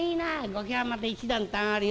「後家はまた一段と上がるよ」。